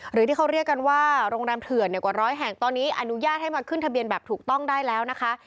หรือที่เขาเรียกกันว่าโรงแรมเถื่อนกว่าร้อยแห่งตอนนี้อนุญาตให้มาขึ้นทะเบียนแบบถูกต้องได้แล้วนะคะ